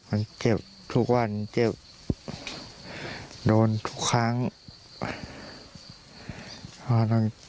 มันเจ็บทุกวันเจ็บโดนทุกครั้งไป